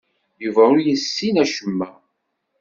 Yuba ur yessin acemma.